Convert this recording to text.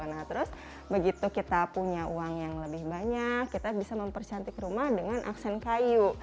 nah terus begitu kita punya uang yang lebih banyak kita bisa mempercantik rumah dengan aksen kayu